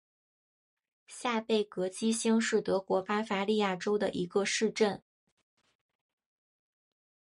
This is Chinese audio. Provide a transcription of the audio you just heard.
下贝格基兴是德国巴伐利亚州的一个市镇。